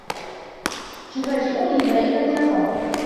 تفاجؤني دائما يا توم.